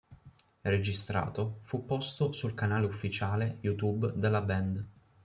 Registrato, fu posto sul canale ufficiale YouTube della band.